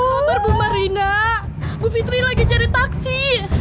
baper bu marina bu fitri lagi jadi taksi